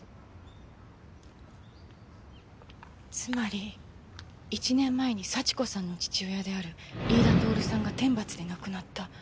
つまり１年前に幸子さんの父親である飯田透さんが天罰で亡くなった。